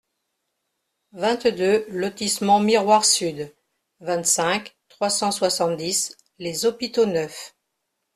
vingt-deux lotissement Miroir Sud, vingt-cinq, trois cent soixante-dix, Les Hôpitaux-Neufs